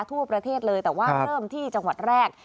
ทั่วประเทศเลยแต่ว่าเริ่มที่จังหวัดแรก